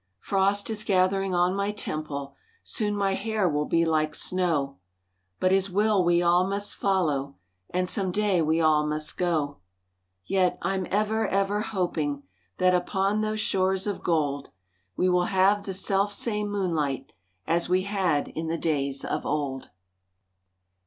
Frost is gathering on my temple, Soon my hair will be like snow, But His will we all must follow And some day we all must go. Yet, I'm ever, ever hoping That upon those shores of gold, We will have the self same moonlight As we had in the days of old.